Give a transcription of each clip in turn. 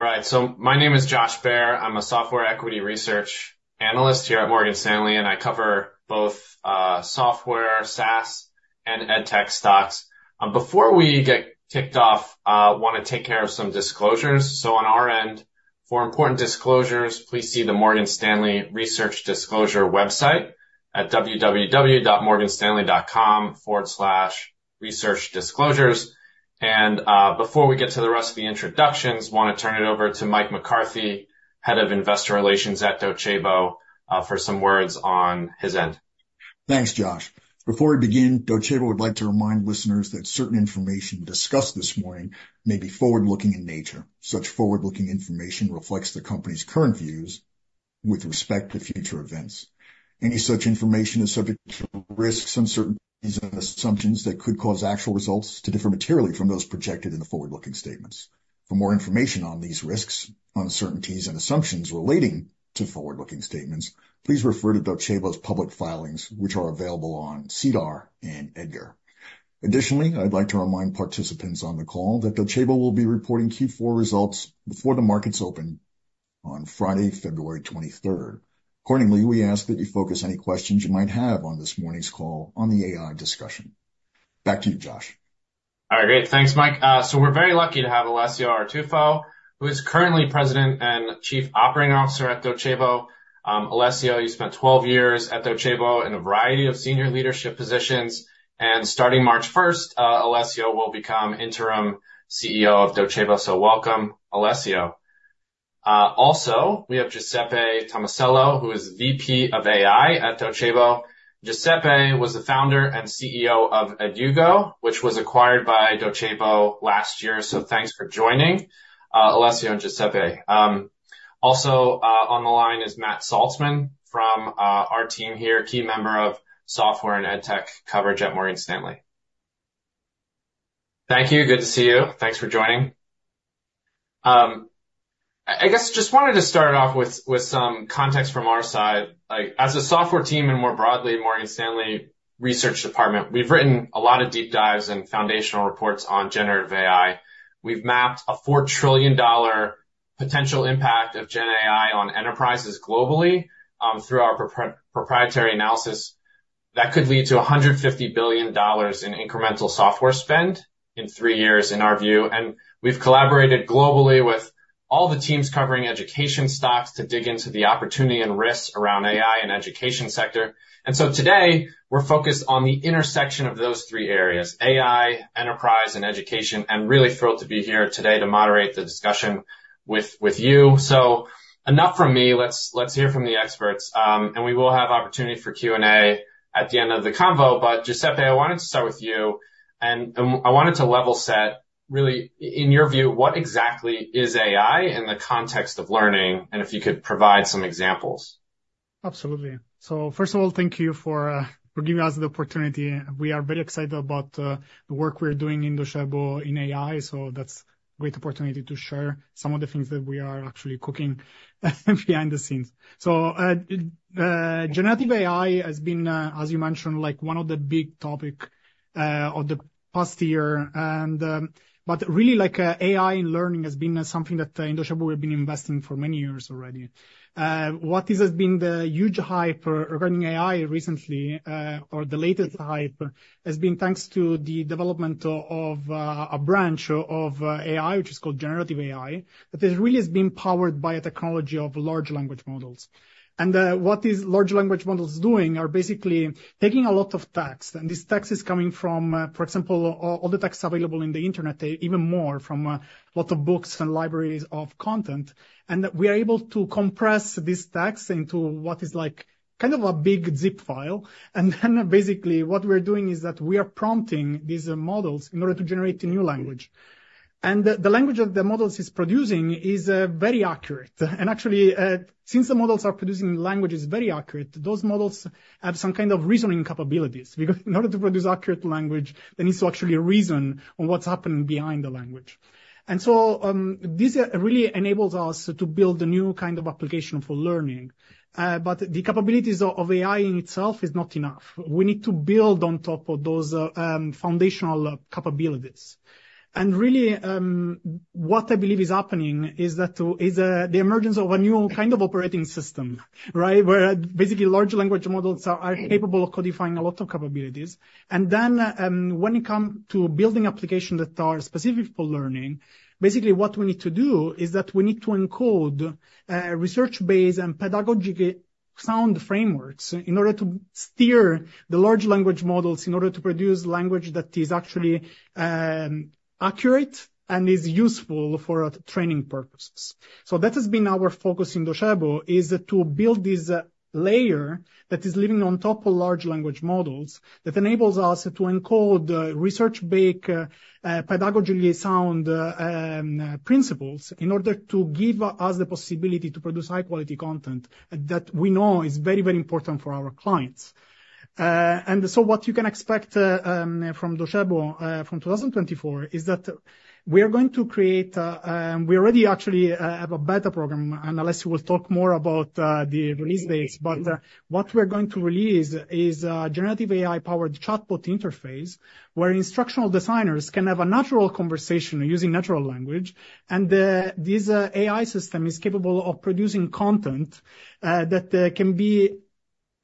Right. So my name is Josh Baer. I'm a Software Equity Research Analyst here at Morgan Stanley, and I cover both, Software, SaaS, and EdTech stocks. Before we get kicked off, I want to take care of some disclosures. So on our end, for important disclosures, please see the Morgan Stanley Research Disclosure website at www.morganstanley.com/researchdisclosures. And, before we get to the rest of the introductions, I want to turn it over to Mike McCarthy, Head of Investor Relations at Docebo, for some words on his end. Thanks, Josh. Before we begin, Docebo would like to remind listeners that certain information discussed this morning may be forward-looking in nature. Such forward-looking information reflects the company's current views with respect to future events. Any such information is subject to risks, uncertainties, and assumptions that could cause actual results to differ materially from those projected in the forward-looking statements. For more information on these risks, uncertainties, and assumptions relating to forward-looking statements, please refer to Docebo's public filings, which are available on SEDAR and EDGAR. Additionally, I'd like to remind participants on the call that Docebo will be reporting Q4 results before the markets open on Friday, February 23rd. Accordingly, we ask that you focus any questions you might have on this morning's call on the AI discussion. Back to you, Josh. All right, great. Thanks, Mike. So we're very lucky to have Alessio Artuffo, who is currently President and Chief Operating Officer at Docebo. Alessio, you spent 12 years at Docebo in a variety of senior leadership positions, and starting March first, Alessio will become Interim CEO of Docebo. So welcome, Alessio. Also, we have Giuseppe Tomasello, who is VP of AI at Docebo. Giuseppe was the founder and CEO of Edugo, which was acquired by Docebo last year. So thanks for joining, Alessio and Giuseppe. Also, on the line is Matt Saltzman from our team here, key member of Software and EdTech coverage at Morgan Stanley. Thank you. Good to see you. Thanks for joining. I guess just wanted to start off with some context from our side. Like, as a software team, and more broadly, Morgan Stanley Research Department, we've written a lot of deep dives and foundational reports on Generative AI. We've mapped a $4 trillion potential impact of GenAI on enterprises globally, through our proprietary analysis that could lead to $150 billion in incremental software spend in three years, in our view. And we've collaborated globally with all the teams covering education stocks to dig into the opportunity and risks around AI and education sector. And so today, we're focused on the intersection of those three areas: AI, Enterprise, and Education. I'm really thrilled to be here today to moderate the discussion with, with you. So enough from me. Let's hear from the experts, and we will have opportunity for Q&A at the end of the convo. Giuseppe, I wanted to start with you, and I wanted to level set really, in your view, what exactly is AI in the context of learning, and if you could provide some examples? Absolutely. So first of all, thank you for giving us the opportunity. We are very excited about the work we're doing in Docebo in AI, so that's a great opportunity to share some of the things that we are actually cooking behind the scenes. So, Generative AI has been, as you mentioned, like one of the big topic of the past year. But really, like, AI in learning has been something that in Docebo we've been investing for many years already. What this has been the huge hype regarding AI recently, or the latest hype, has been thanks to the development of a branch of AI, which is called Generative AI, that really has been powered by a technology of large language models. And what these large language models doing are basically taking a lot of text, and this text is coming from, for example, all the text available in the Internet, even more from lots of books and libraries of content. And we are able to compress this text into what is like kind of a big zip file. And then basically, what we're doing is that we are prompting these models in order to generate a new language. And the, the language of the models is producing is very accurate. And actually, since the models are producing language, is very accurate, those models have some kind of reasoning capabilities, because in order to produce accurate language, they need to actually reason on what's happening behind the language. And so this really enables us to build a new kind of application for learning. But the capabilities of AI in itself is not enough. We need to build on top of those foundational capabilities. And really, what I believe is happening is that is the emergence of a new kind of operating system, right? Where basically, large language models are capable of codifying a lot of capabilities. And then, when it comes to building applications that are specific for learning, basically what we need to do is that we need to encode research base and pedagogically sound frameworks in order to steer the large language models, in order to produce language that is actually accurate and is useful for training purposes. So that has been our focus in Docebo, is to build this layer that is living on top of large language models, that enables us to encode, research-based, pedagogically sound, principles, in order to give us the possibility to produce high-quality content that we know is very, very important for our clients. And so what you can expect, from Docebo, from 2024, is that we are going to create. We already actually have a beta program, and Alessio will talk more about, the release dates. But, what we're going to release is, Generative AI-powered chatbot interface, where instructional designers can have a natural conversation using natural language. And, this, AI system is capable of producing content, that,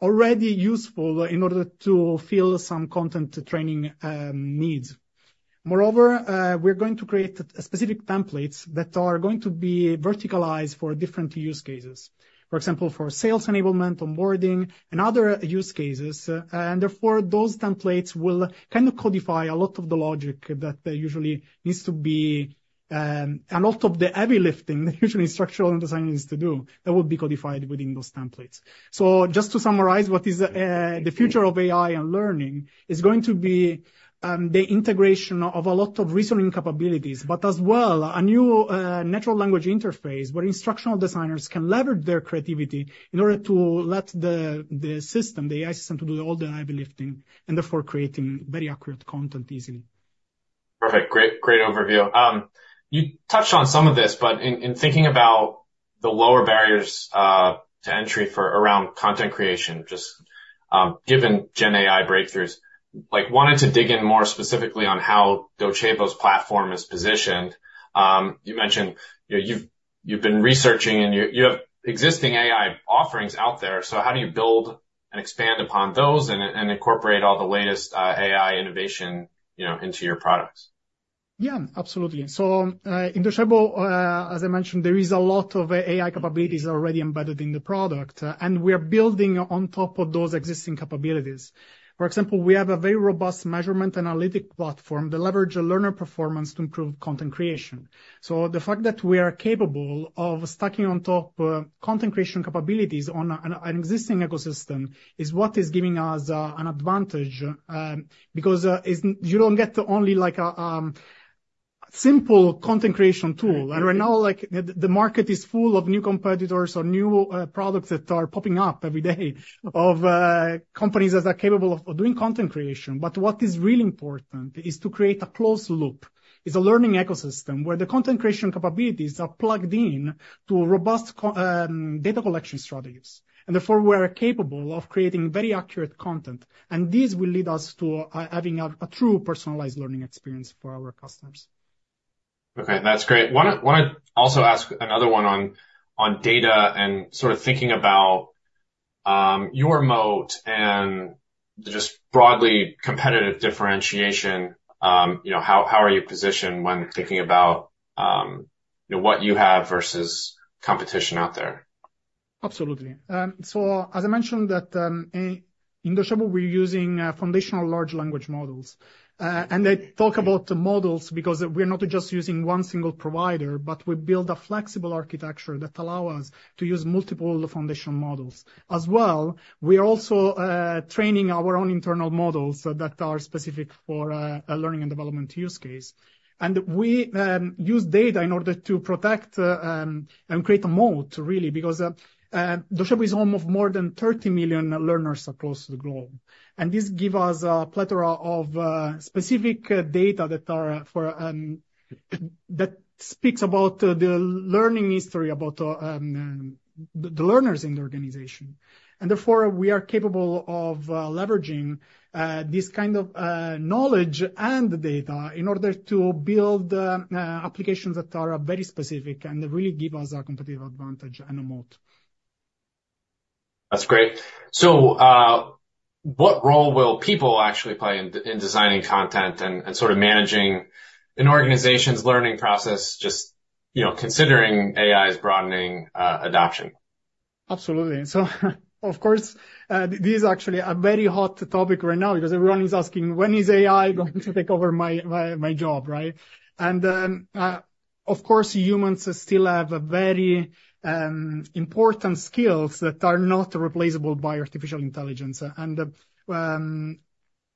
already useful in order to fill some content training, needs. Moreover, we're going to create specific templates that are going to be verticalized for different use cases. For example, for sales enablement, onboarding, and other use cases. Therefore, those templates will kind of codify a lot of the heavy lifting that usually structural engineering needs to do, that will be codified within those templates. Just to summarize, what is the future of AI and learning is going to be the integration of a lot of reasoning capabilities, but as well, a new natural language interface, where instructional designers can leverage their creativity in order to let the, the system, the AI system, do all the heavy lifting, and therefore creating very accurate content easily. Perfect. Great, great overview. You touched on some of this, but in thinking about the lower barriers to entry for around content creation, just given GenAI breakthroughs, like, wanted to dig in more specifically on how Docebo's platform is positioned. You mentioned, you know, you've been researching and you have existing AI offerings out there. So how do you build and expand upon those and incorporate all the latest AI innovation, you know, into your products? Yeah, absolutely. So, in Docebo, as I mentioned, there is a lot of AI capabilities already embedded in the product, and we are building on top of those existing capabilities. For example, we have a very robust measurement analytic platform that leverage a learner performance to improve content creation. So the fact that we are capable of stacking on top, content creation capabilities on an existing ecosystem is what is giving us, an advantage. Because, it's. You don't get only like a, simple content creation tool. Right now, like, the market is full of new competitors or new, products that are popping up every day of, companies that are capable of, doing content creation. What is really important is to create a closed loop, a learning ecosystem where the content creation capabilities are plugged into a robust data collection strategies. Therefore, we're capable of creating very accurate content, and this will lead us to having a true personalized learning experience for our customers. Okay, that's great. Wanna also ask another one on data and sort of thinking about your moat and just broadly competitive differentiation, you know, how are you positioned when thinking about, you know, what you have versus competition out there? Absolutely. So as I mentioned, that in Docebo, we're using foundational large language models. And I talk about the models because we're not just using one single provider, but we build a flexible architecture that allow us to use multiple foundational models. As well, we are also training our own internal models that are specific for a learning and development use case. And we use data in order to protect and create a moat, really, because Docebo is home of more than 30 million learners across the globe. And this give us a plethora of specific data that are for... That speaks about the learning history, about the learners in the organization, and therefore, we are capable of leveraging this kind of knowledge and data in order to build applications that are very specific and really give us a competitive advantage and a moat. That's great. So, what role will people actually play in designing content and sort of managing an organization's learning process, just, you know, considering AI's broadening adoption? Absolutely. So of course, this is actually a very hot topic right now because everyone is asking: When is AI going to take over my job, right? And, of course, humans still have a very important skills that are not replaceable by artificial intelligence. And,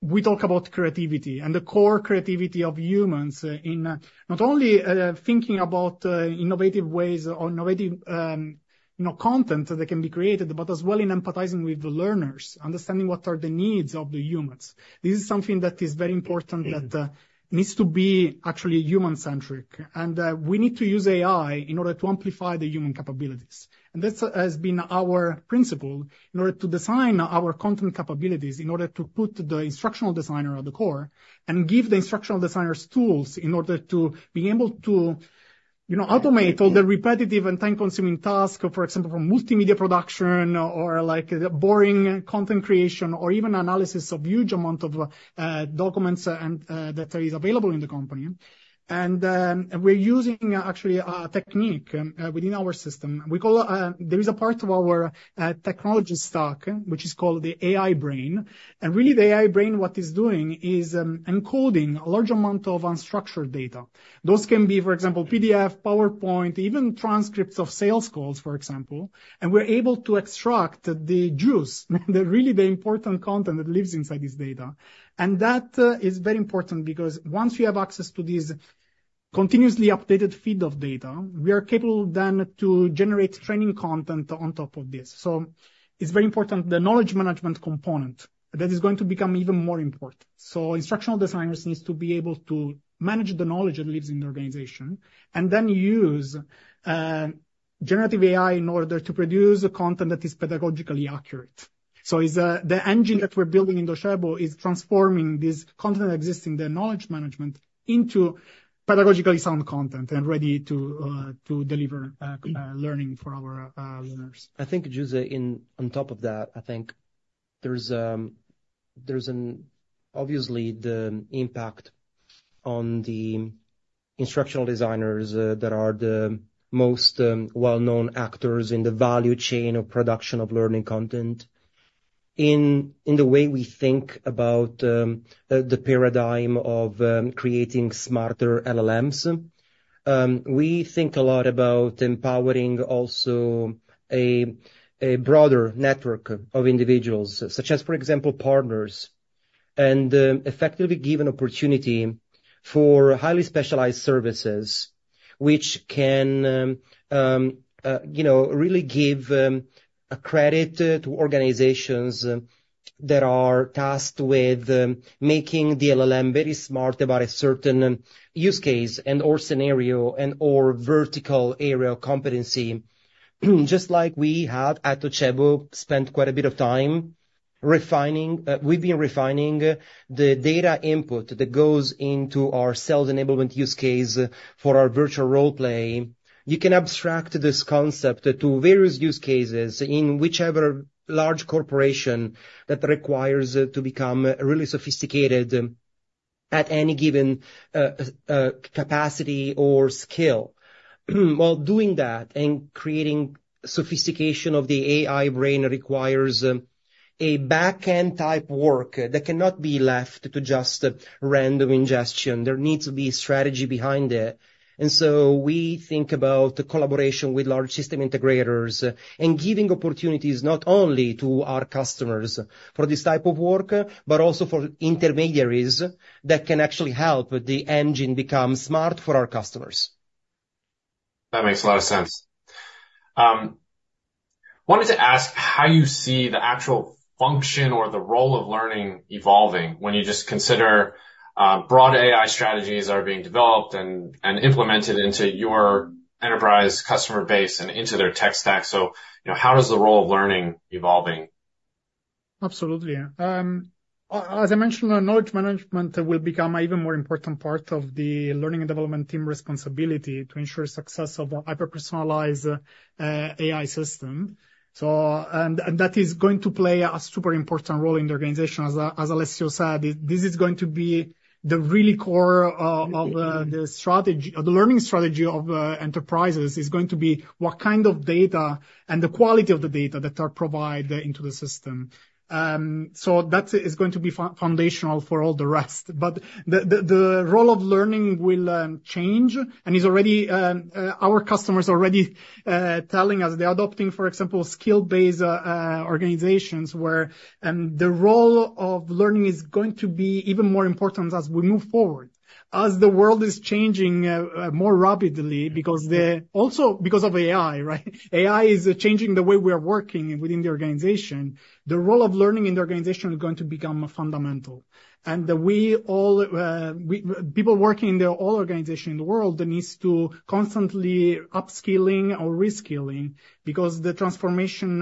we talk about creativity and the core creativity of humans in not only thinking about innovative ways or innovative, you know, content that can be created, but as well in empathizing with the learners, understanding what are the needs of the humans. This is something that is very important, that needs to be actually human-centric, and, we need to use AI in order to amplify the human capabilities. This has been our principle in order to design our content capabilities, in order to put the instructional designer at the core, and give the instructional designers tools in order to be able to, you know, automate all the repetitive and time-consuming tasks, for example, from multimedia production or like boring content creation, or even analysis of huge amount of documents and that is available in the company. We're using actually a technique within our system. There is a part of our technology stack, which is called the AI Brain. And really, the AI Brain, what it's doing is encoding a large amount of unstructured data. Those can be, for example, PDF, PowerPoint, even transcripts of sales calls, for example. And we're able to extract the juice, the really the important content that lives inside this data. That is very important because once you have access to this continuously updated feed of data, we are capable then to generate training content on top of this. So it's very important, the knowledge management component, that is going to become even more important. So instructional designers needs to be able to manage the knowledge that lives in the organization and then use Generative AI in order to produce content that is pedagogically accurate. So it's the engine that we're building in Docebo is transforming this content that exists in the knowledge management into pedagogically sound content and ready to deliver learning for our learners. I think, Giuseppe, on top of that, I think there's obviously the impact on the instructional designers that are the most well-known actors in the value chain of production of learning content. In the way we think about the paradigm of creating smarter LLMs, we think a lot about empowering also a broader network of individuals, such as, for example, partners, and effectively give an opportunity for highly specialized services, which can you know really give a credit to organizations that are tasked with making the LLM very smart about a certain use case and/or scenario and/or vertical area of competency. Just like we have at Docebo spent quite a bit of time refining, we've been refining the data input that goes into our sales enablement use case for our Virtual Role Play. You can abstract this concept to various use cases in whichever large corporation that requires it to become really sophisticated, at any given capacity or skill. While doing that and creating sophistication of the AI brain requires a back-end type work that cannot be left to just random ingestion. There needs to be strategy behind it. And so we think about collaboration with large system integrators and giving opportunities not only to our customers for this type of work, but also for intermediaries that can actually help the engine become smart for our customers. That makes a lot of sense. Wanted to ask how you see the actual function or the role of learning evolving when you just consider broad AI strategies are being developed and implemented into your enterprise customer base and into their tech stack. So, you know, how is the role of learning evolving? Absolutely. As I mentioned, knowledge management will become an even more important part of the Learning & Development team responsibility to ensure success of a hyper-personalized AI system. So, that is going to play a super important role in the organization. As Alessio said, this is going to be the really core of the strategy. The learning strategy of enterprises is going to be what kind of data and the quality of the data that are provided into the system. So that is going to be foundational for all the rest. But the role of learning will change and is already... Our customers are already telling us they're adopting, for example, skill-based organizations, where the role of learning is going to be even more important as we move forward, as the world is changing more rapidly, because also because of AI, right? AI is changing the way we are working within the organization. The role of learning in the organization is going to become fundamental, and we all people working in the all organization in the world needs to constantly upskilling or reskilling because the transformation,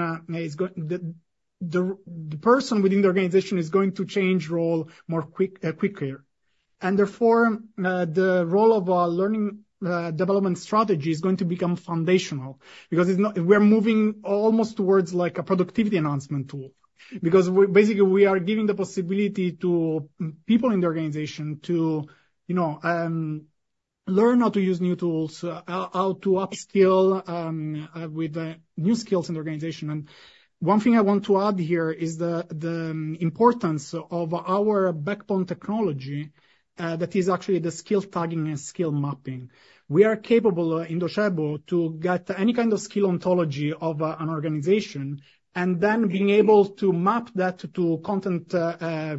the person within the organization is going to change role more quick, quicker. Therefore, the role of our learning development strategy is going to become foundational because it's not, we're moving almost towards like a productivity enhancement tool, because basically, we are giving the possibility to people in the organization to, you know, learn how to use new tools, how to upskill with new skills in the organization. One thing I want to add here is the importance of our backbone technology that is actually the skill tagging and skill mapping. We are capable in Docebo to get any kind of skills ontology of an organization, and then being able to map that to content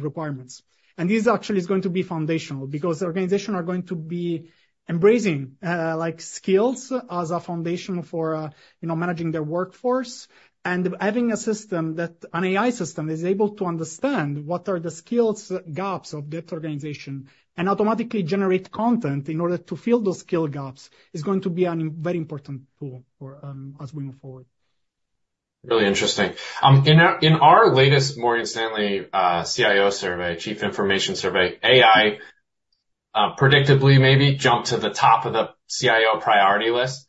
requirements. This actually is going to be foundational, because organizations are going to be embracing like skills as a foundation for, you know, managing their workforce. Having a system that, an AI system, is able to understand what are the skills gaps of that organization and automatically generate content in order to fill those skill gaps, is going to be a very important tool for, as we move forward. Really interesting. In our, in our latest Morgan Stanley CIO survey, Chief Information survey, AI predictably, maybe jumped to the top of the CIO priority list.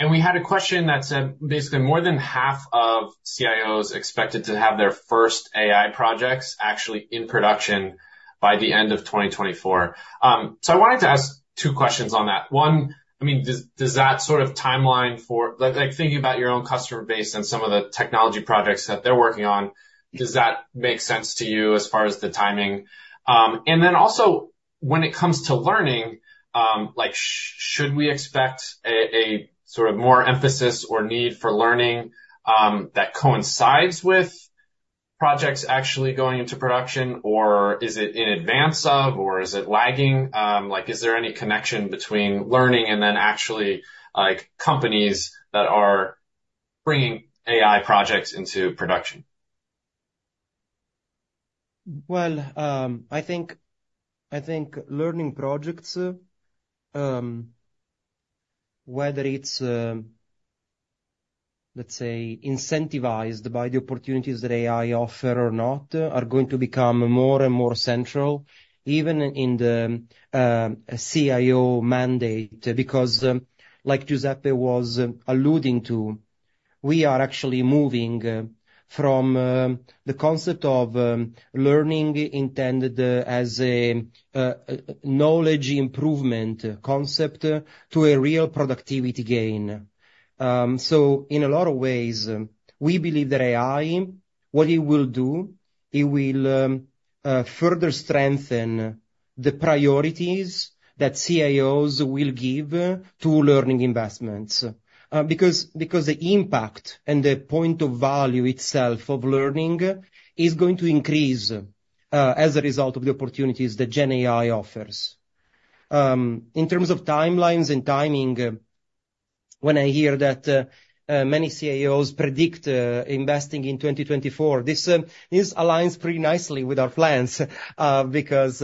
And we had a question that said basically more than half of CIOs expected to have their first AI projects actually in production by the end of 2024. So I wanted to ask two questions on that. One, I mean, does that sort of timeline for... Like, thinking about your own customer base and some of the technology projects that they're working on, does that make sense to you as far as the timing? And then also, when it comes to learning, like, should we expect a sort of more emphasis or need for learning that coincides with projects actually going into production? Or is it in advance of, or is it lagging? Like, is there any connection between learning and then actually, like, companies that are bringing AI projects into production? Well, I think, I think learning projects, whether it's, let's say, incentivized by the opportunities that AI offer or not, are going to become more and more central, even in the, CIO mandate, because, like Giuseppe was alluding to, we are actually moving, from, the concept of, learning intended, as a, knowledge improvement concept to a real productivity gain. So in a lot of ways, we believe that AI, what it will do, it will, further strengthen the priorities that CIOs will give to learning investments. Because, because the impact and the point of value itself of learning is going to increase, as a result of the opportunities that GenAI offers. In terms of timelines and timing, when I hear that many CIOs predict investing in 2024, this aligns pretty nicely with our plans, because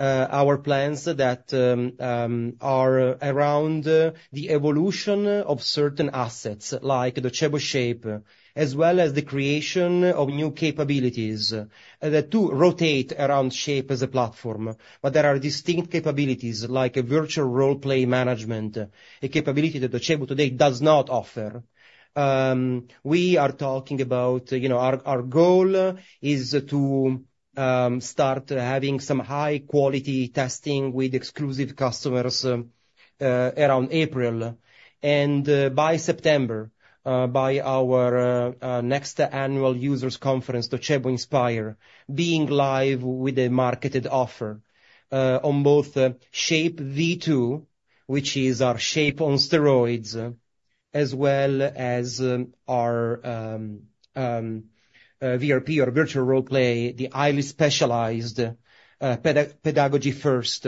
our plans that are around the evolution of certain assets, like the Docebo Shape, as well as the creation of new capabilities, the two rotate around Shape as a platform. But there are distinct capabilities, like a Virtual Role Play management, a capability that Docebo today does not offer. We are talking about, you know, our goal is to start having some high-quality testing with exclusive customers around April. By September, by our next annual users conference, Docebo Inspire, being live with a marketed offer on both the Shape V2, which is our Shape on steroids, as well as our VRP or Virtual Role Play, the highly specialized, pedagogy-first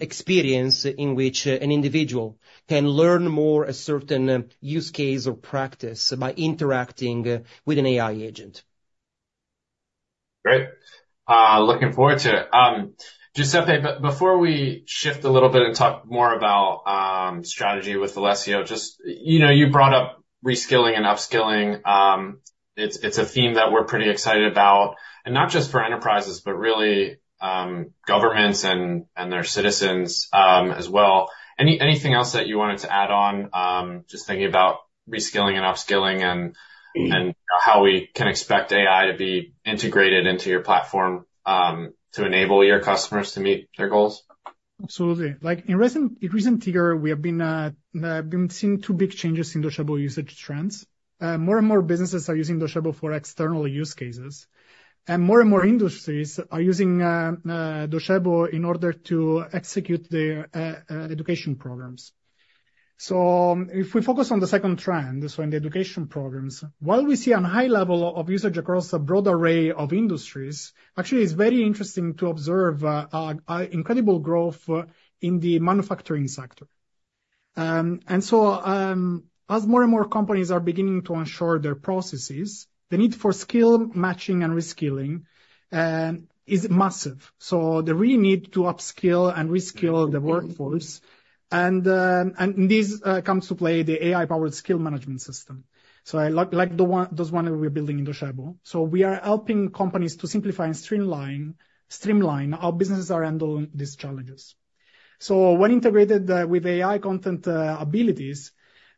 experience in which an individual can learn more about a certain use case or practice by interacting with an AI agent. Great. Looking forward to it. Giuseppe, before we shift a little bit and talk more about strategy with Alessio, just, you know, you brought up reskilling and upskilling. It's a theme that we're pretty excited about, and not just for enterprises, but really, governments and their citizens, as well. Anything else that you wanted to add on, just thinking about reskilling and upskilling, and- Mm-hmm... and how we can expect AI to be integrated into your platform, to enable your customers to meet their goals? Absolutely. Like, in recent years, we have been seeing two big changes in Docebo usage trends. More and more businesses are using Docebo for external use cases, and more and more industries are using Docebo in order to execute their education programs. So if we focus on the second trend, so in the education programs, while we see a high level of usage across a broad array of industries, actually, it's very interesting to observe incredible growth in the manufacturing sector. And so, as more and more companies are beginning to ensure their processes, the need for skill matching and reskilling is massive. So they really need to upskill and reskill the workforce. And this comes to play, the AI-powered skill management system. So I like, like those ones we're building in Docebo. We are helping companies to simplify and streamline how businesses are handling these challenges. When integrated with AI content abilities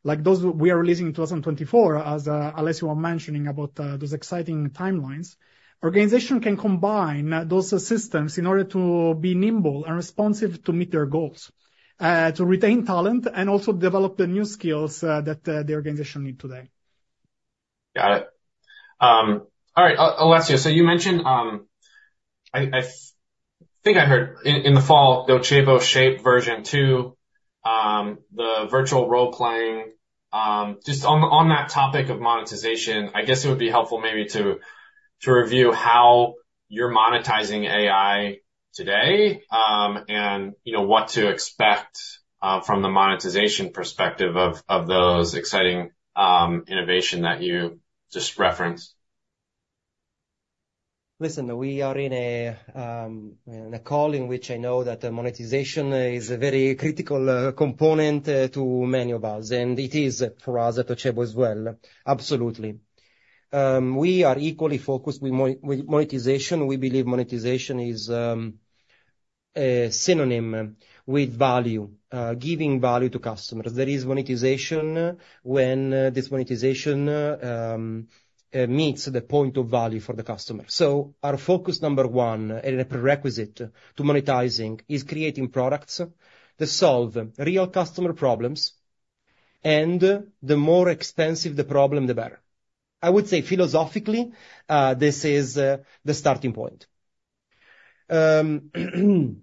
like those we are releasing in 2024, as Alessio was mentioning about those exciting timelines, organization can combine those systems in order to be nimble and responsive to meet their goals, to retain talent and also develop the new skills that the organization need today. Got it. All right, Alessio, so you mentioned... I think I heard in the fall, Docebo Shape version two, the Virtual Role Playing. Just on that topic of monetization, I guess it would be helpful maybe to review how you're monetizing AI today, and you know, what to expect from the monetization perspective of those exciting innovation that you just referenced. Listen, we are in a, in a call in which I know that the monetization is a very critical, component, to many of us, and it is for us at Docebo as well. Absolutely. We are equally focused with monetization. We believe monetization is, a synonym with value, giving value to customers. There is monetization when this monetization, meets the point of value for the customer. So our focus number one, and a prerequisite to monetizing, is creating products that solve real customer problems, and the more expensive the problem, the better. I would say philosophically, this is, the starting point. Then,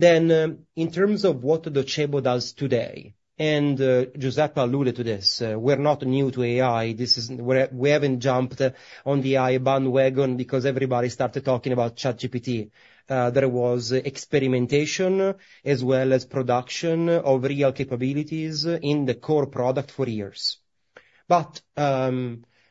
in terms of what Docebo does today, and, Giuseppe alluded to this, we're not new to AI. This is... We haven't jumped on the AI bandwagon because everybody started talking about ChatGPT. There was experimentation as well as production of real capabilities in the core product for years. But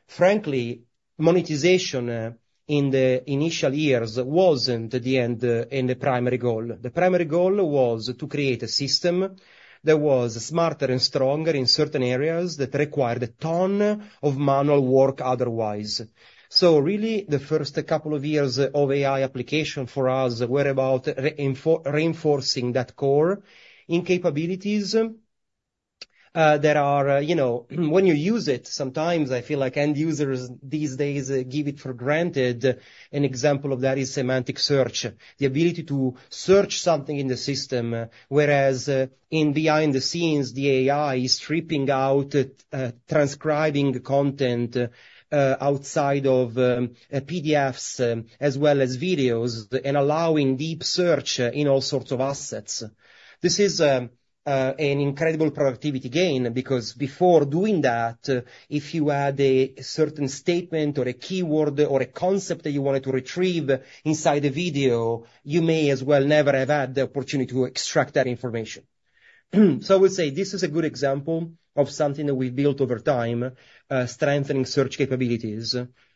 frankly, monetization in the initial years wasn't the end and the primary goal. The primary goal was to create a system that was smarter and stronger in certain areas that required a ton of manual work otherwise. So really, the first couple of years of AI application for us were about reinforcing that core capabilities. You know, when you use it, sometimes I feel like end users these days take it for granted. An example of that is semantic search, the ability to search something in the system, whereas in behind the scenes, the AI is stripping out, transcribing the content, outside of PDFs, as well as videos, and allowing deep search in all sorts of assets. This is an incredible productivity gain because before doing that, if you had a certain statement or a keyword or a concept that you wanted to retrieve inside a video, you may as well never have had the opportunity to extract that information. So I would say this is a good example of something that we've built over time, strengthening search capabilities.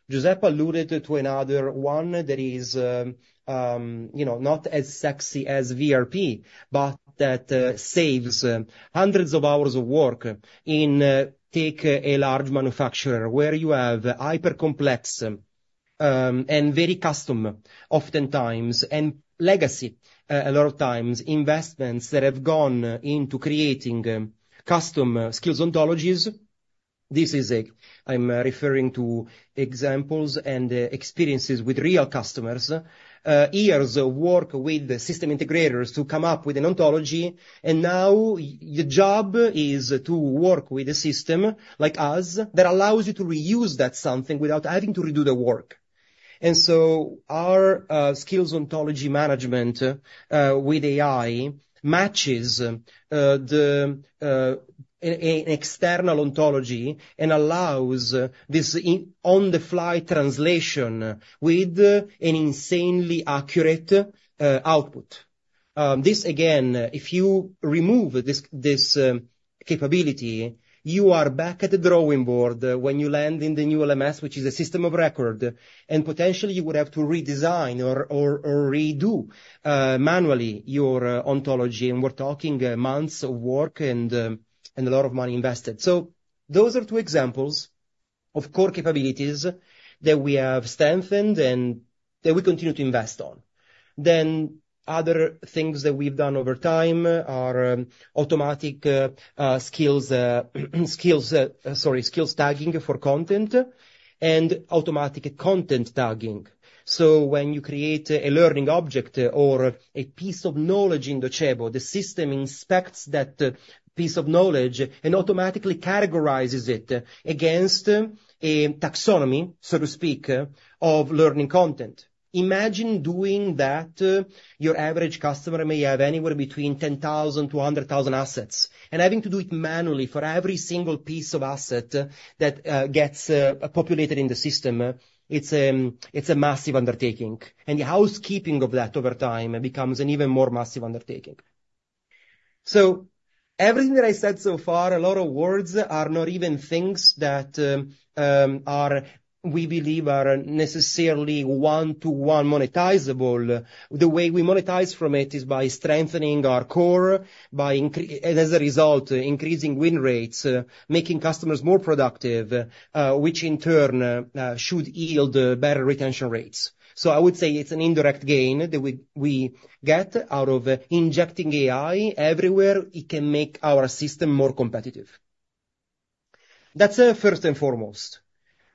Giuseppe alluded to another one that is, you know, not as sexy as VRP, but that saves hundreds of hours of work in... Take a large manufacturer, where you have hypercomplex, and very custom, oftentimes, and legacy, a lot of times, investments that have gone into creating Custom Skills ontologies. This is. I'm referring to examples and experiences with real customers. Years of work with the system integrators to come up with an ontology, and now your job is to work with a system like us, that allows you to reuse that something without having to redo the work. And so our skills ontology management with AI matches an external ontology and allows this on-the-fly translation with an insanely accurate output. This again, if you remove this capability, you are back at the drawing board when you land in the new LMS, which is a system of record, and potentially you would have to redesign or redo manually your ontology. And we're talking months of work and a lot of money invested. So those are two examples of core capabilities that we have strengthened and that we continue to invest on. Then, other things that we've done over time are automatic skills tagging for content and automatic content tagging. So when you create a learning object or a piece of knowledge in Docebo, the system inspects that piece of knowledge and automatically categorizes it against a taxonomy, so to speak, of learning content. Imagine doing that. Your average customer may have anywhere between 10,000-100,000 assets, and having to do it manually for every single piece of asset that gets populated in the system, it's a massive undertaking, and the housekeeping of that over time becomes an even more massive undertaking. So everything that I said so far, a lot of words are not even things that we believe are necessarily one-to-one monetizable. The way we monetize from it is by strengthening our core, and as a result, increasing win rates, making customers more productive, which in turn should yield better retention rates. So I would say it's an indirect gain that we get out of injecting AI everywhere it can make our system more competitive. That's first and foremost.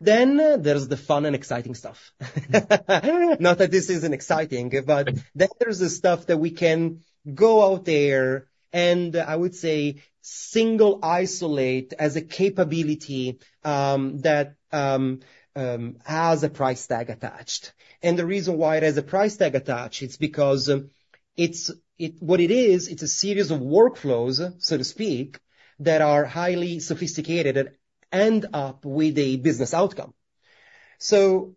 Then there's the fun and exciting stuff. Not that this isn't exciting, but then there's the stuff that we can go out there, and I would say, single isolate as a capability, that has a price tag attached. And the reason why it has a price tag attached, it's because, it's what it is, it's a series of workflows, so to speak, that are highly sophisticated and end up with a business outcome. So,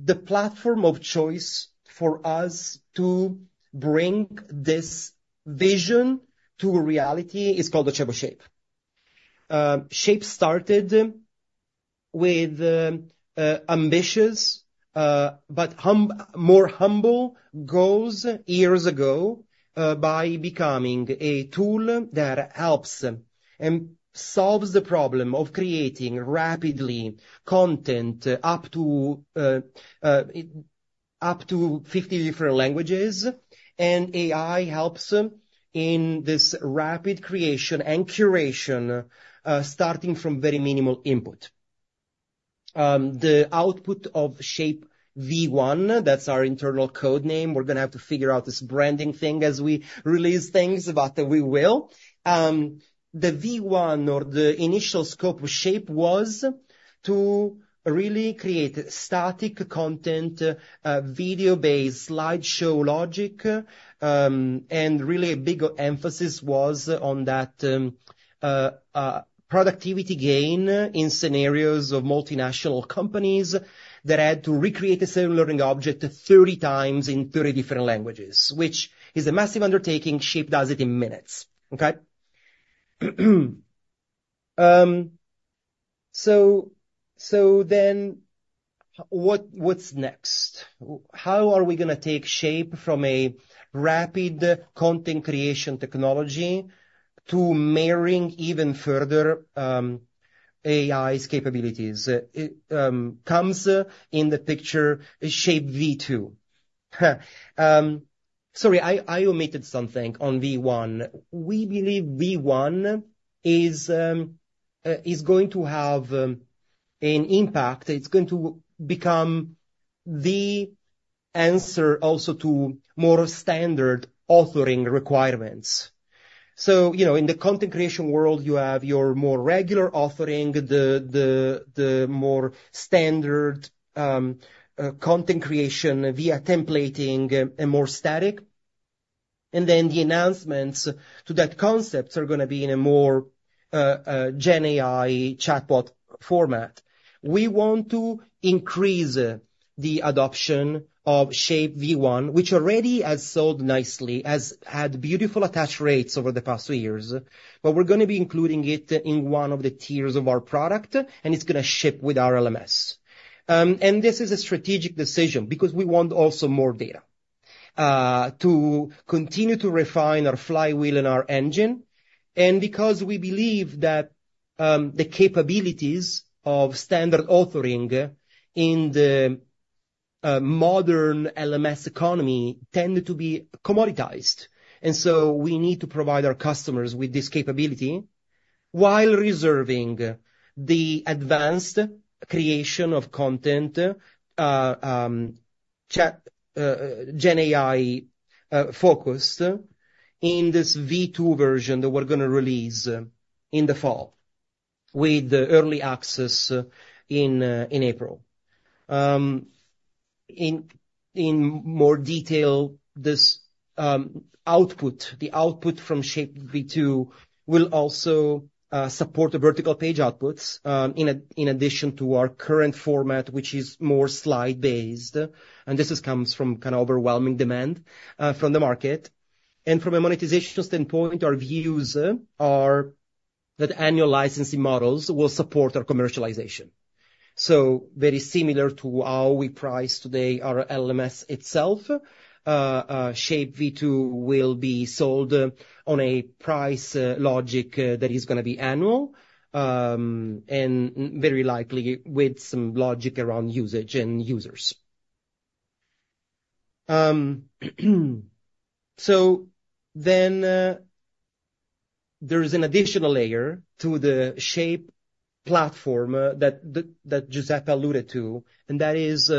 the platform of choice for us to bring this vision to reality is called Docebo Shape. Shape started with ambitious, but more humble goals years ago, by becoming a tool that helps and solves the problem of creating rapidly content up to 50 different languages, and AI helps in this rapid creation and curation, starting from very minimal input. The output of Shape V1, that's our internal code name. We're going to have to figure out this branding thing as we release things, but we will. The V1 or the initial scope of Shape was to really create static content, video-based slideshow logic, and really a big emphasis was on that, productivity gain in scenarios of multinational companies that had to recreate the same learning object 30 times in 30 different languages, which is a massive undertaking. Shape does it in minutes. Okay? So then what, what's next? How are we going to take Shape from a rapid content creation technology to marrying even further, AI's capabilities? Comes in the picture, Shape V2. Ha! Sorry, I omitted something on V1. We believe V1 is going to have an impact. It's going to become the answer also to more standard authoring requirements. So, you know, in the content creation world, you have your more regular authoring, the more standard content creation via templating and more static. And then the announcements to that concept are gonna be in a more GenAI chatbot format. We want to increase the adoption of Shape V1, which already has sold nicely, has had beautiful attach rates over the past two years, but we're gonna be including it in one of the tiers of our product, and it's gonna ship with our LMS. And this is a strategic decision because we want also more data to continue to refine our flywheel and our engine, and because we believe that the capabilities of standard authoring in the modern LMS economy tend to be commoditized. So we need to provide our customers with this capability while reserving the advanced creation of content, chat GenAI focused in this V2 version that we're gonna release in the fall, with early access in April. In more detail, this output, the output from Shape V2 will also support the vertical page outputs, in addition to our current format, which is more slide-based, and this comes from kind of overwhelming demand from the market. From a monetization standpoint, our views are that annual licensing models will support our commercialization. So very similar to how we price today, our LMS itself, Shape V2, will be sold on a price logic that is gonna be annual, and very likely with some logic around usage and users. So then, there is an additional layer to the Shape platform, that Giuseppe alluded to, and that is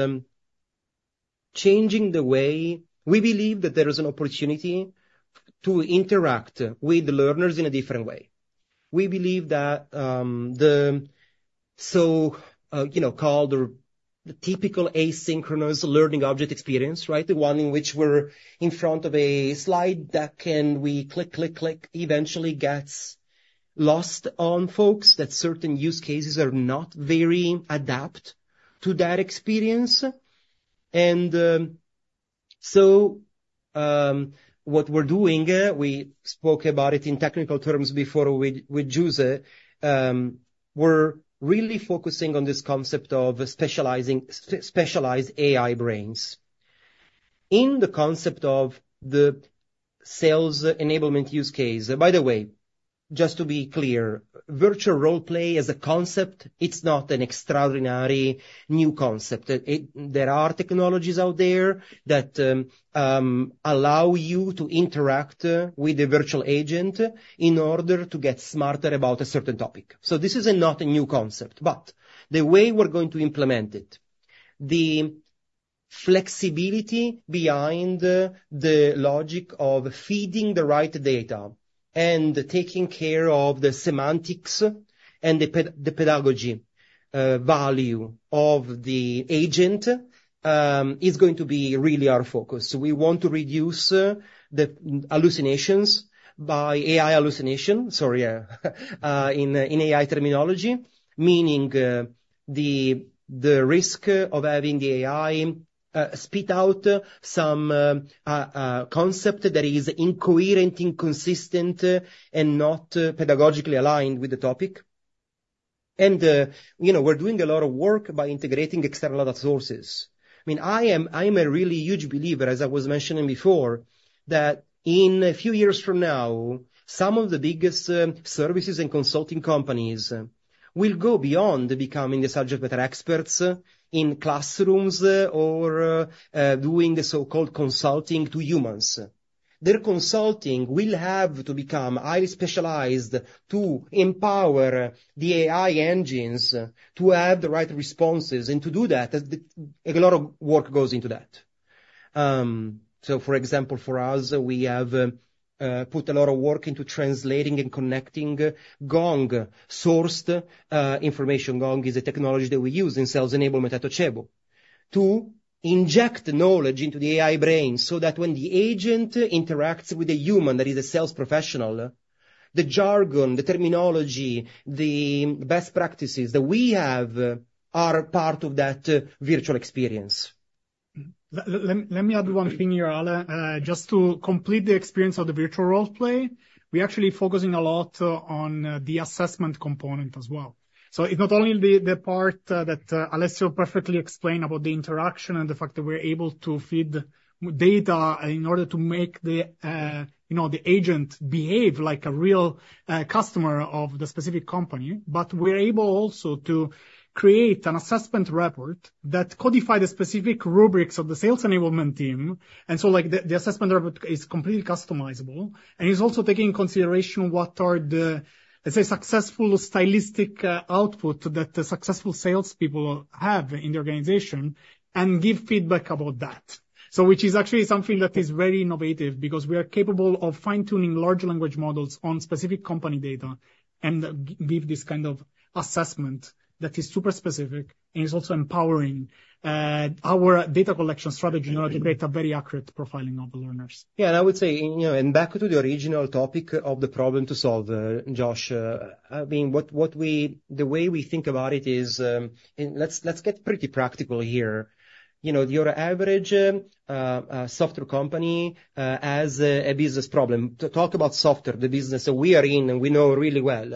changing the way... We believe that there is an opportunity to interact with the learners in a different way. We believe that the so-called typical asynchronous learning object experience, right? The one in which we're in front of a slide that we can click, click, click, eventually gets lost on folks, that certain use cases are not very apt to that experience. So, what we're doing, we spoke about it in technical terms before with Giuse, we're really focusing on this concept of specialized AI brains. In the concept of the sales enablement use case... By the way, just to be clear, Virtual Role Play as a concept, it's not an extraordinary new concept. There are technologies out there that allow you to interact with a virtual agent in order to get smarter about a certain topic. So this is not a new concept, but the way we're going to implement it, the flexibility behind the logic of feeding the right data and taking care of the semantics and the pedagogy value of the agent is going to be really our focus. We want to reduce the hallucinations by AI hallucination. Sorry, in AI terminology, meaning the risk of having the AI spit out some concept that is incoherent, inconsistent, and not pedagogically aligned with the topic. You know, we're doing a lot of work by integrating external data sources. I mean, I am, I'm a really huge believer, as I was mentioning before, that in a few years from now, some of the biggest services and consulting companies will go beyond becoming the subject matter experts in classrooms or doing the so-called consulting to humans. Their consulting will have to become highly specialized to empower the AI engines to have the right responses, and to do that, a lot of work goes into that. So for example, for us, we have put a lot of work into translating and connecting Gong-sourced information. Gong is a technology that we use in sales enablement at Docebo, to inject knowledge into the AI brain so that when the agent interacts with a human that is a sales professional, the jargon, the terminology, the best practices that we have are part of that virtual experience.... Let me add one thing here, Ale. Just to complete the experience of the Virtual Role-Play, we're actually focusing a lot on the assessment component as well. So it's not only the part that Alessio perfectly explained about the interaction and the fact that we're able to feed data in order to make the, you know, the agent behave like a real customer of the specific company. But we're able also to create an assessment report that codify the specific rubrics of the sales enablement team, and so, like, the assessment report is completely customizable, and it's also taking into consideration what are the, let's say, successful stylistic output that the successful salespeople have in the organization and give feedback about that. So which is actually something that is very innovative because we are capable of fine-tuning large language models on specific company data and give this kind of assessment that is super specific and is also empowering our data collection strategy in order to create a very accurate profiling of the learners. Yeah, and I would say, you know, and back to the original topic of the problem to solve, Josh, I mean, the way we think about it is, and let's get pretty practical here. You know, your average software company has a business problem. To talk about software, the business that we are in, and we know really well.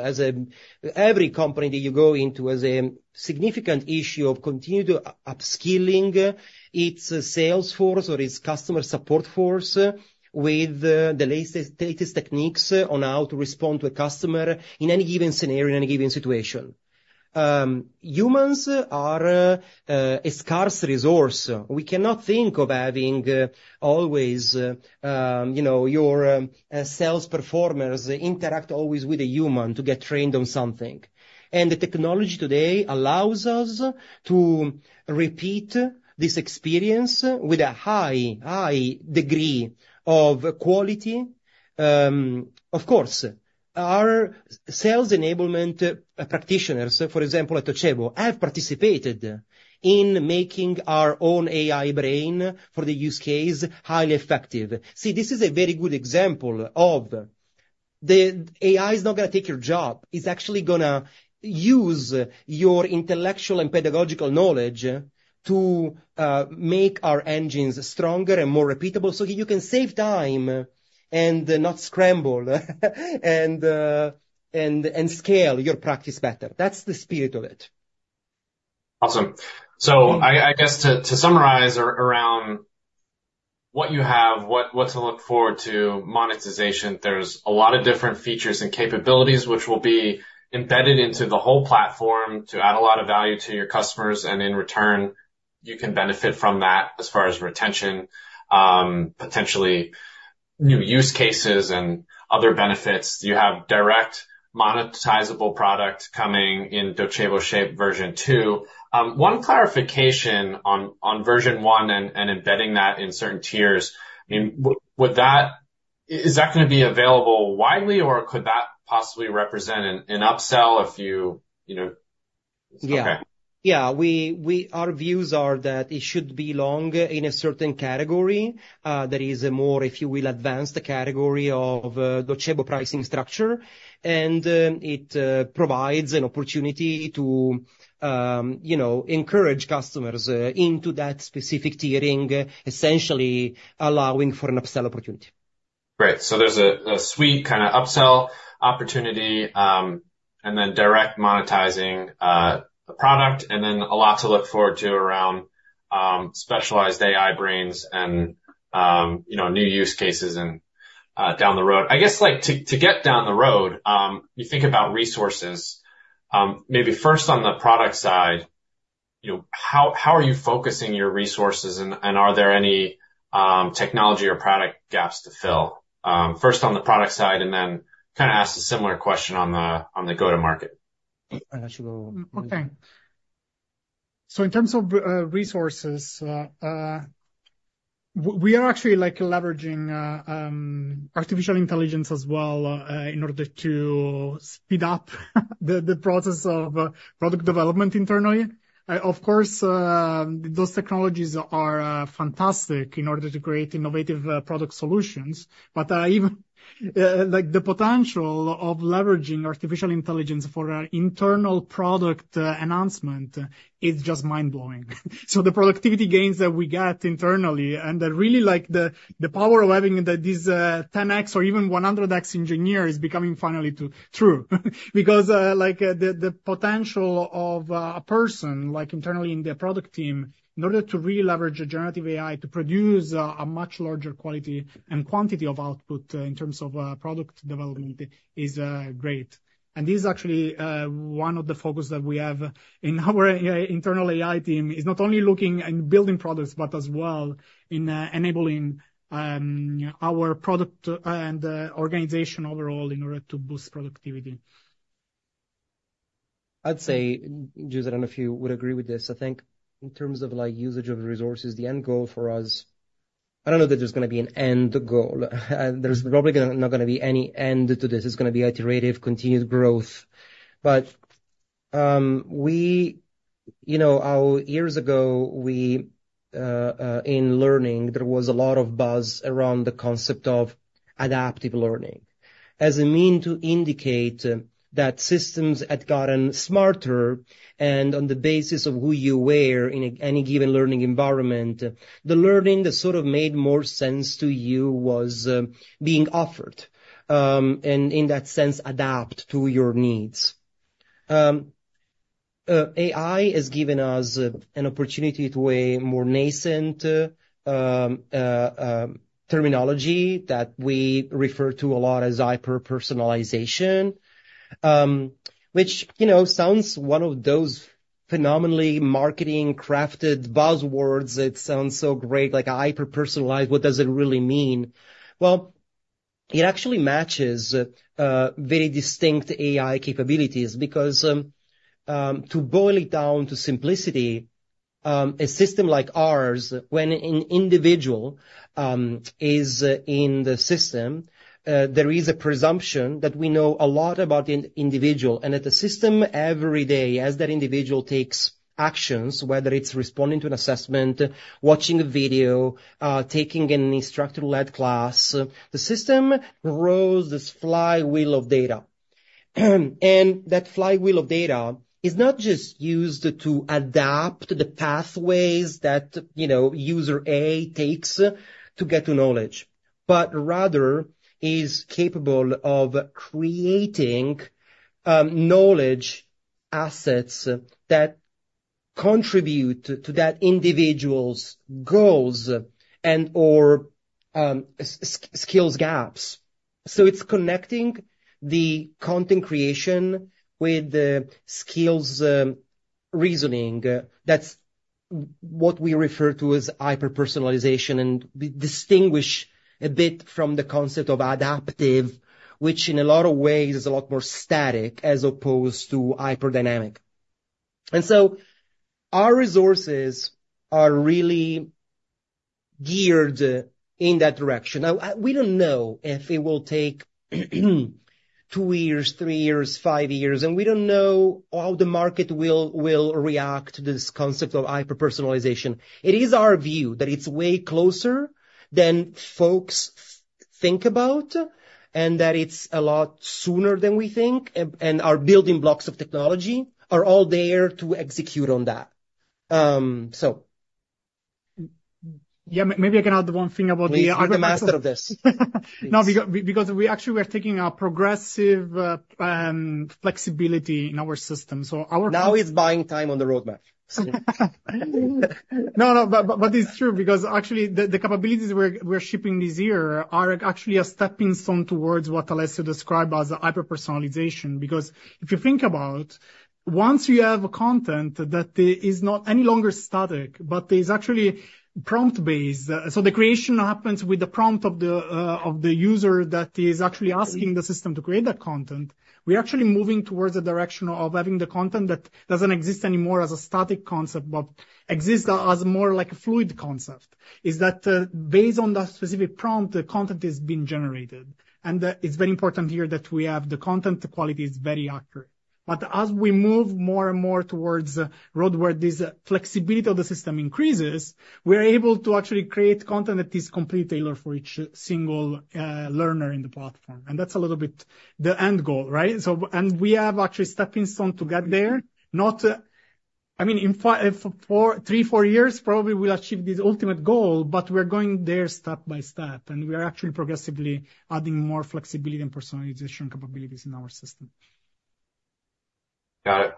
Every company that you go into has a significant issue of continuing to upskilling its sales force or its customer support force with the latest techniques on how to respond to a customer in any given scenario, in any given situation. Humans are a scarce resource. We cannot think of having always, you know, your sales performers interact always with a human to get trained on something. The technology today allows us to repeat this experience with a high, high degree of quality. Of course, our sales enablement practitioners, for example, at Docebo, have participated in making our own AI brain for the use case highly effective. See, this is a very good example of the... AI is not gonna take your job; it's actually gonna use your intellectual and pedagogical knowledge to make our engines stronger and more repeatable, so you can save time and not scramble, and scale your practice better. That's the spirit of it. Awesome. So I guess to summarize around what you have, what to look forward to monetization, there's a lot of different features and capabilities which will be embedded into the whole platform to add a lot of value to your customers, and in return, you can benefit from that as far as retention, potentially new use cases and other benefits. You have direct monetizable product coming in Docebo Shape version 2. One clarification on version 1 and embedding that in certain tiers. I mean, would that... Is that gonna be available widely, or could that possibly represent an upsell if you know? Yeah. Okay. Yeah. Our views are that it should belong in a certain category. There is a more, if you will, advanced category of Docebo pricing structure, and it provides an opportunity to, you know, encourage customers into that specific tiering, essentially allowing for an upsell opportunity. Great. So there's a suite kind of upsell opportunity, and then direct monetizing the product, and then a lot to look forward to around specialized AI brains and, you know, new use cases and down the road. I guess, like, to get down the road, you think about resources. Maybe first on the product side, you know, how are you focusing your resources, and are there any technology or product gaps to fill? First on the product side, and then kinda ask a similar question on the go-to-market. I let you go. Okay. So in terms of resources, we are actually, like, leveraging artificial intelligence as well, in order to speed up the process of product development internally. Of course, those technologies are fantastic in order to create innovative product solutions, but even, like, the potential of leveraging artificial intelligence for internal product announcement is just mind-blowing. So the productivity gains that we get internally, and really, like, the power of having that, this 10x or even 100x engineer is becoming finally to true. Because, like, the potential of a person, like internally in the product team, in order to really leverage a Generative AI to produce a much larger quality and quantity of output, in terms of product development is great. This is actually one of the focus that we have in our AI internal AI team is not only looking and building products, but as well in enabling our product and organization overall in order to boost productivity. I'd say, Giuseppe, I don't know if you would agree with this: I think in terms of, like, usage of resources, the end goal for us. I don't know that there's gonna be an end goal. There's probably gonna not gonna be any end to this. It's gonna be iterative, continuous growth. But we, you know, years ago, in learning, there was a lot of buzz around the concept of adaptive learning as a mean to indicate that systems had gotten smarter, and on the basis of who you were in any given learning environment, the learning that sort of made more sense to you was being offered, and in that sense, adapt to your needs. AI has given us an opportunity to a more nascent terminology that we refer to a lot as hyperpersonalization. Which, you know, sounds one of those phenomenally marketing-crafted buzzwords that sounds so great, like hyperpersonalized. What does it really mean? Well, it actually matches very distinct AI capabilities because, to boil it down to simplicity, a system like ours, when an individual is in the system, there is a presumption that we know a lot about the individual, and that the system, every day, as that individual takes actions, whether it's responding to an assessment, watching a video, taking an instructor-led class, the system grows this flywheel of data. And that flywheel of data is not just used to adapt the pathways that, you know, user A takes to get to knowledge, but rather is capable of creating knowledge assets that contribute to that individual's goals and/or skills gaps. So it's connecting the content creation with the skills reasoning. That's what we refer to as hyper-personalization, and we distinguish a bit from the concept of adaptive, which in a lot of ways is a lot more static as opposed to hyper-dynamic. And so our resources are really geared in that direction. Now, we don't know if it will take two years, three years, five years, and we don't know how the market will react to this concept of hyper-personalization. It is our view that it's way closer than folks think about, and that it's a lot sooner than we think, and our building blocks of technology are all there to execute on that. So... Yeah, maybe I can add one thing about the- Please, you're the master of this. No, because we actually we're taking a progressive flexibility in our system, so our- Now he's buying time on the roadmap. No, no, but, but it's true, because actually, the capabilities we're shipping this year are actually a stepping stone towards what Alessio described as hyperpersonalization. Because if you think about, once you have a content that is not any longer static, but is actually prompt-based, so the creation happens with the prompt of the, of the user that is actually asking the system to create that content. We are actually moving towards the direction of having the content that doesn't exist anymore as a static concept, but exists as more like a fluid concept, is that, based on that specific prompt, the content is being generated. And it's very important here that we have the content quality is very accurate. As we move more and more towards a road where this flexibility of the system increases, we're able to actually create content that is completely tailored for each single learner in the platform. That's a little bit the end goal, right? We have actually a stepping stone to get there. Not, I mean, for three, four years, probably, we'll achieve this ultimate goal, but we're going there step by step, and we are actually progressively adding more flexibility and personalization capabilities in our system. Got it.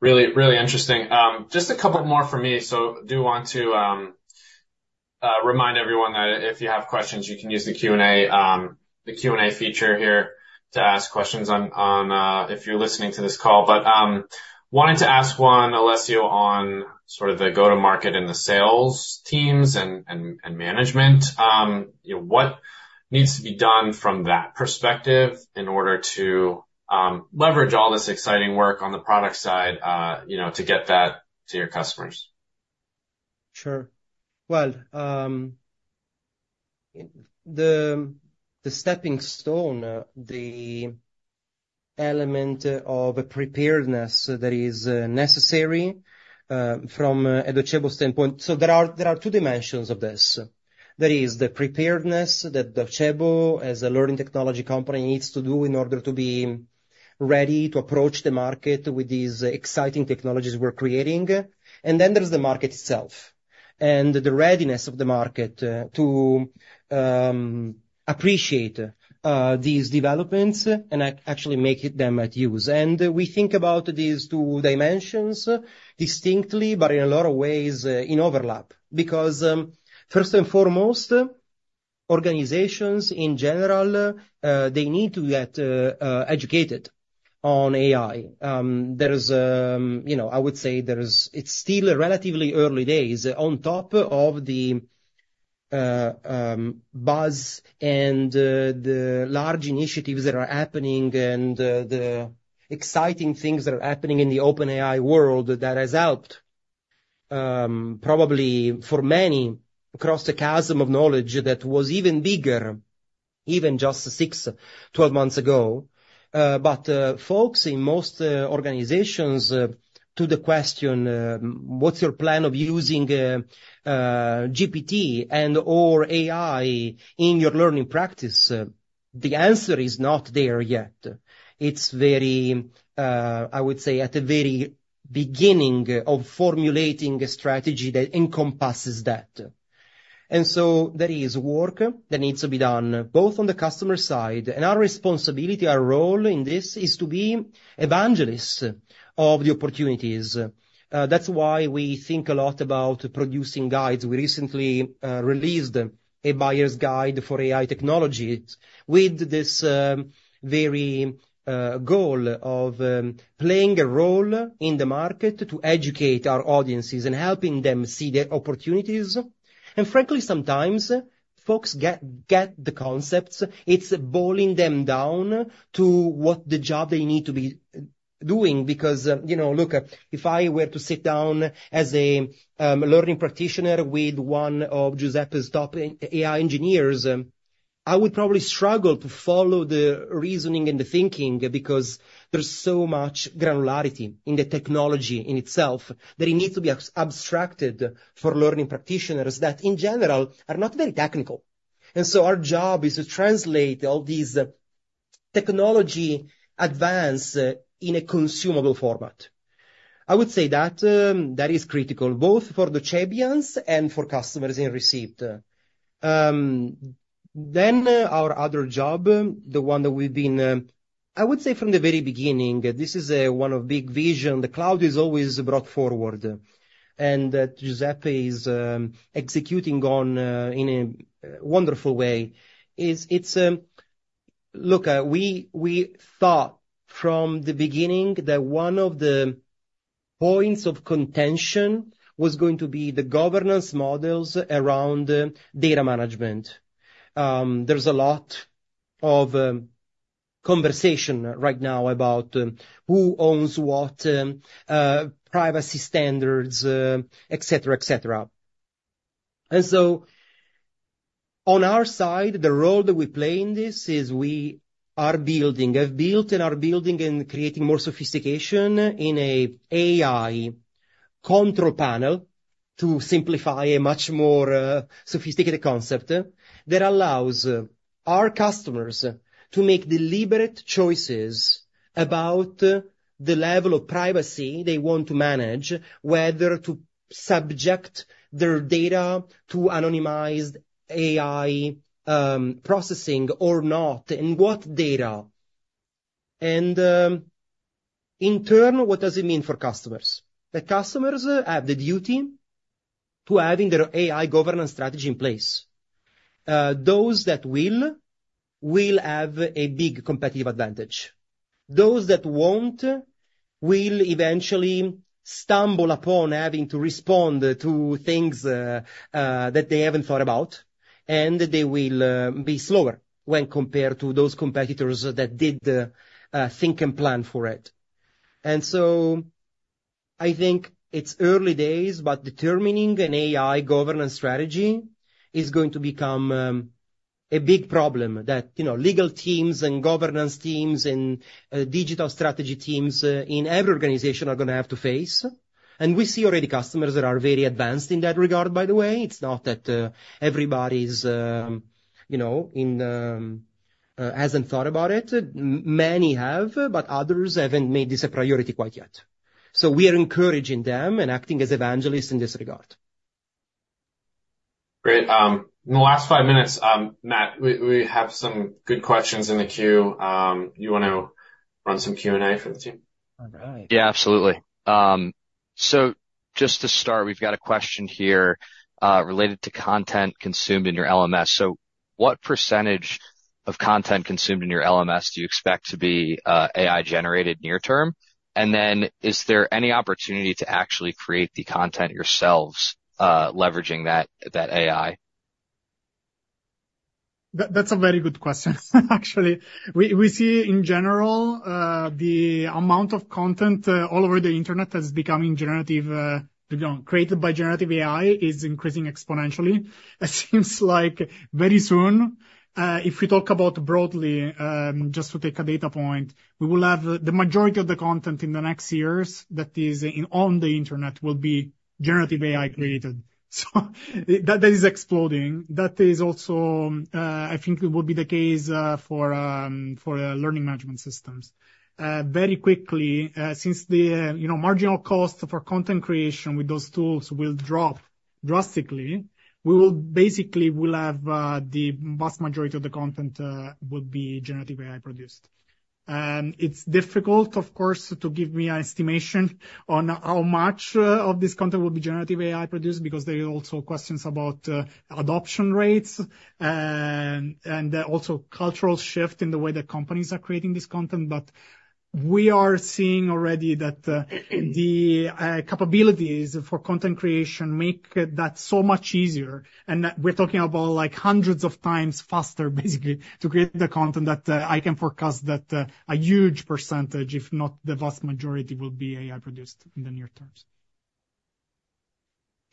Really, really interesting. Just a couple more from me. So I do want to remind everyone that if you have questions, you can use the Q&A, the Q&A feature here to ask questions on, on, if you're listening to this call. But wanted to ask one, Alessio, on sort of the go-to-market and the sales teams and management. You know, what needs to be done from that perspective in order to leverage all this exciting work on the product side, you know, to get that to your customers? Sure. Well, the stepping stone, the element of preparedness that is necessary, from a Docebo standpoint. So there are two dimensions of this. There is the preparedness that Docebo, as a learning technology company, needs to do in order to be ready to approach the market with these exciting technologies we're creating. And then there's the market itself and the readiness of the market to appreciate these developments and actually make them at use. And we think about these two dimensions distinctly, but in a lot of ways in overlap, because first and foremost, organizations in general, they need to get educated on AI. There is a... You know, I would say there is. It's still a relatively early days on top of the buzz and the large initiatives that are happening and the exciting things that are happening in the OpenAI world that has helped, probably for many, cross the chasm of knowledge that was even bigger, even just six, 12 months ago. But folks in most organizations to the question, what's your plan of using GPT and or AI in your learning practice? The answer is not there yet. It's very, I would say, at the very beginning of formulating a strategy that encompasses that. And so there is work that needs to be done, both on the customer side... And our responsibility, our role in this, is to be evangelists of the opportunities. That's why we think a lot about producing guides. We recently released a buyer's guide for AI technology with this very goal of playing a role in the market to educate our audiences and helping them see the opportunities. And frankly, sometimes folks get the concepts. It's boiling them down to what the job they need to be doing. Because, you know, look, if I were to sit down as a learning practitioner with one of Giuseppe's top AI engineers, I would probably struggle to follow the reasoning and the thinking, because there's so much granularity in the technology in itself, that it needs to be abstracted for learning practitioners that, in general, are not very technical. And so our job is to translate all these technology advance in a consumable format. I would say that, that is critical, both for the champions and for customers in receipt. Then our other job, the one that we've been, I would say from the very beginning, this is, one of big vision. The cloud is always brought forward, and that Giuseppe is, executing on, in a wonderful way, is it's a... Look, we thought from the beginning that one of the points of contention was going to be the governance models around data management. There's a lot of, conversation right now about, who owns what, privacy standards, et cetera, et cetera. On our side, the role that we play in this is we are building, have built and are building and creating more sophistication in an AI control panel to simplify a much more sophisticated concept that allows our customers to make deliberate choices about the level of privacy they want to manage, whether to subject their data to anonymized AI processing or not, and what data. In turn, what does it mean for customers? The customers have the duty to having their AI governance strategy in place. Those that will will have a big competitive advantage. Those that won't will eventually stumble upon having to respond to things that they haven't thought about, and they will be slower when compared to those competitors that did think and plan for it. And so I think it's early days, but determining an AI governance strategy is going to become a big problem that, you know, legal teams and governance teams and digital strategy teams in every organization are gonna have to face. And we see already customers that are very advanced in that regard, by the way. It's not that everybody's, you know, hasn't thought about it. Many have, but others haven't made this a priority quite yet. So we are encouraging them and acting as evangelists in this regard. Great. In the last five minutes, Matt, we have some good questions in the queue. You wanna run some Q&A for the team? All right. Yeah, absolutely. So just to start, we've got a question here, related to content consumed in your LMS. So what percentage of content consumed in your LMS do you expect to be AI-generated near term? And then is there any opportunity to actually create the content yourselves, leveraging that AI? That, that's a very good question. Actually, we see in general the amount of content all over the internet that is becoming generative, you know, created by Generative AI, is increasing exponentially. It seems like very soon, if we talk about broadly, just to take a data point, we will have the majority of the content in the next years that is on the internet will be Generative AI-created. So that is exploding. That is also, I think it will be the case for learning management systems. Very quickly, since the, you know, marginal cost for content creation with those tools will drop drastically, we will basically have the vast majority of the content will be Generative AI-produced. It's difficult, of course, to give me an estimation on how much of this content will be Generative AI-produced, because there are also questions about adoption rates, and also cultural shift in the way that companies are creating this content. We are seeing already that the capabilities for content creation make that so much easier, and that we're talking about like hundreds of times faster, basically, to create the content that I can forecast that a huge percentage, if not the vast majority, will be AI-produced in the near terms.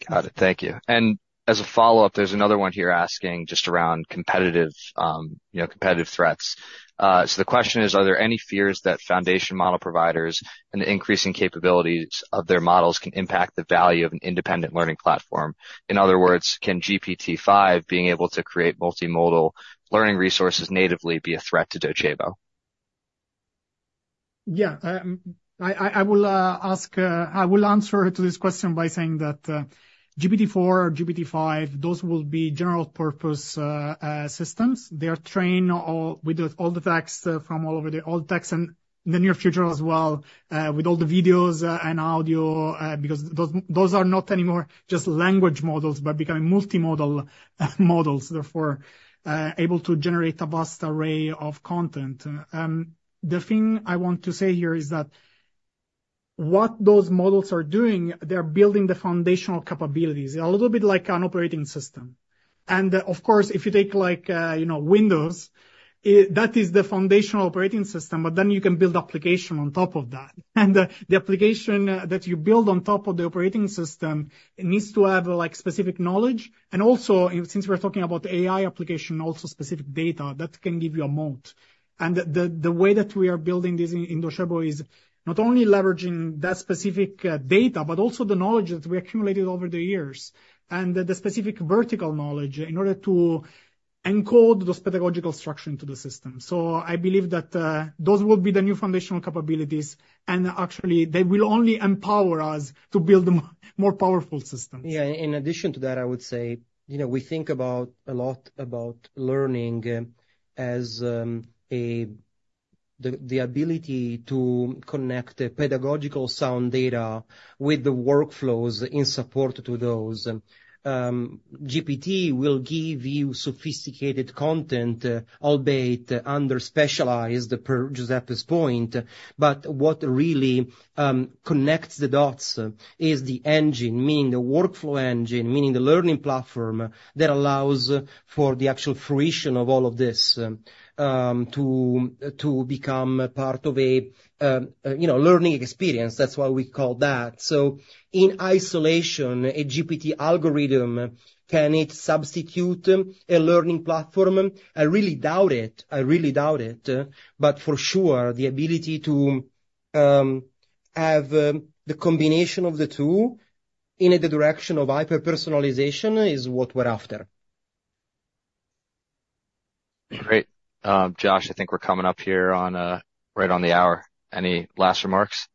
Got it. Thank you. And as a follow-up, there's another one here asking just around competitive, you know, competitive threats. So the question is: Are there any fears that foundation model providers and the increasing capabilities of their models can impact the value of an independent learning platform? In other words, can GPT-5 being able to create multimodal learning resources natively be a threat to Docebo? Yeah, I will answer to this question by saying that, GPT-4 or GPT-5, those will be general purpose systems. They are trained all with all the text from all over the all text and in the near future as well with all the videos and audio, because those are not anymore just language models, but becoming multimodal models, therefore able to generate a vast array of content. The thing I want to say here is that what those models are doing, they're building the foundational capabilities, a little bit like an operating system. And of course, if you take like, you know, Windows, that is the foundational operating system, but then you can build application on top of that. The application that you build on top of the operating system, it needs to have, like, specific knowledge. Also, since we're talking about AI application, also specific data that can give you a moat. The way that we are building this in Docebo is not only leveraging that specific data, but also the knowledge that we accumulated over the years, and the specific vertical knowledge in order to encode those pedagogical structure into the system. So I believe that those will be the new foundational capabilities, and actually, they will only empower us to build a more powerful system. Yeah, in addition to that, I would say, you know, we think about a lot about learning, as the ability to connect the pedagogical sound data with the workflows in support to those. And GPT will give you sophisticated content, albeit under specialized, per Giuseppe's point, but what really connects the dots is the engine, meaning the workflow engine, meaning the learning platform, that allows for the actual fruition of all of this, to become a part of a, you know, learning experience. That's why we call that. So in isolation, a GPT algorithm, can it substitute a learning platform? I really doubt it. I really doubt it. But for sure, the ability to have the combination of the two in the direction of hyper-personalization is what we're after. Great. Josh, I think we're coming up here on, right on the hour. Any last remarks?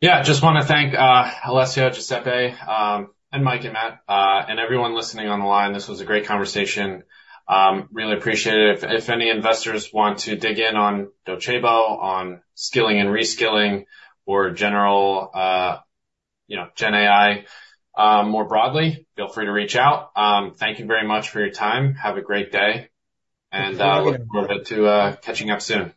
Yeah. Just wanna thank Alessio, Giuseppe, and Mike and Matt, and everyone listening on the line. This was a great conversation. Really appreciate it. If, if any investors want to dig in on Docebo, on skilling and reskilling or general, you know, GenAI, more broadly, feel free to reach out. Thank you very much for your time. Have a great day, and look forward to catching up soon.